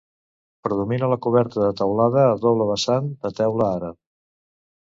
Predomina la coberta de teulada a doble vessant de teula àrab.